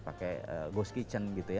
pakai ghost kitchen gitu ya